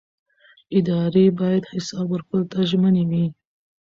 ادارې باید حساب ورکولو ته ژمنې وي